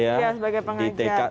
iya sebagai pengajar